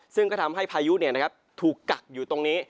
ซึ่งก็ทำให้พายุถูกกักอยู่ตรงนี้